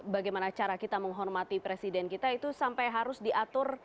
bagaimana cara kita menghormati presiden kita itu sampai harus diatur